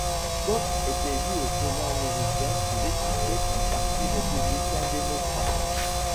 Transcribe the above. Pope est élu au Sénat américain sous l’étiquette du Parti républicain-démocrate.